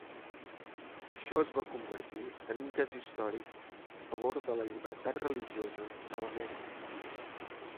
Això es va convertir en un cas històric a favor de la llibertat religiosa a l'Amèrica.